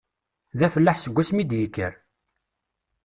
D afellaḥ seg wasmi i d-yekker.